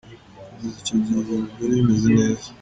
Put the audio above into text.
Kugeza icyo gihe ibintu byari bimeze neza.